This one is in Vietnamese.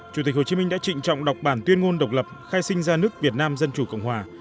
chủ tịch hồ chí minh đã trịnh trọng đọc bản tuyên ngôn độc lập khai sinh ra nước việt nam dân chủ cộng hòa